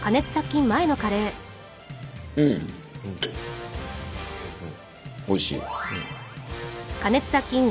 うんおいしい。